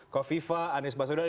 kofifa anies basudar